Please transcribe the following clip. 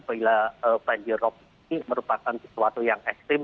bila banji rop ini merupakan sesuatu yang ekstrim